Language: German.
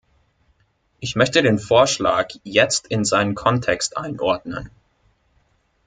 Ich möchte den Vorschlag jetzt in seinen Kontext einordnen.